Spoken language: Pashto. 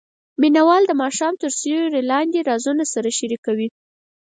مینه وال د ماښام تر سیوري لاندې رازونه سره شریکوي.